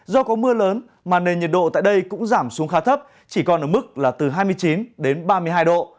do có mưa lớn mà nền nhiệt độ tại đây cũng giảm xuống khá thấp chỉ còn ở mức là từ hai mươi chín đến ba mươi hai độ